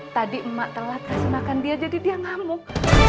tadi emak telat kasih makan dia jadi dia ngamuk